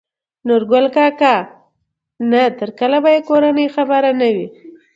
نورګل کاکا : نه تر کله يې چې کورنۍ خبره نه وي